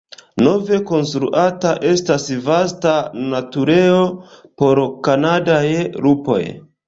Nove konstruata estas vasta naturejo por kanadaj lupoj.